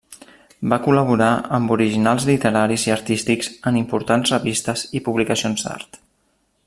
Va col·laborar amb originals literaris i artístics en importants revistes i publicacions d'art.